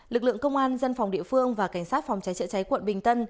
lực lượng công an dân phòng địa phương và cảnh sát phòng cháy chữa cháy quận bình tân